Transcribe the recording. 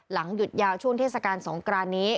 หยุดยาวช่วงเทศกาลสงกรานนี้